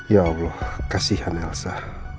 ya allah kasihan elsa